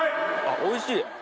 おいしい！